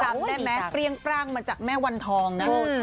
จำได้ไหมเปรี้ยงปร่างมาจากแม่วันทองนะ